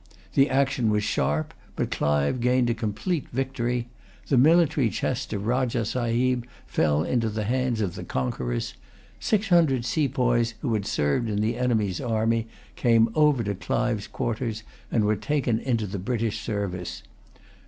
The action was sharp; but Clive gained a complete victory. The military chest of Rajah Sahib fell into the hands of the conquerors. Six hundred sepoys, who had served in the enemy's army, came over to Clive's quarters, and were taken into the British service.